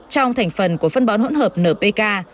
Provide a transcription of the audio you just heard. trong thành phần của phân bón hỗn hợp npk